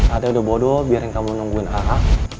a a udah bodo biarin kamu nungguin a a